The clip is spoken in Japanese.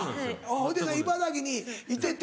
ほいで茨城にいてて？